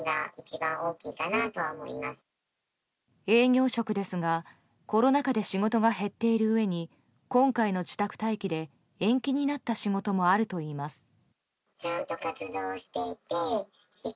営業職ですが、コロナ禍で仕事が減っているうえに今回の自宅待機で延期になった仕事もあるといいます。